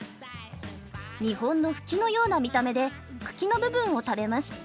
日本のフキのような見た目で茎の部分を食べます。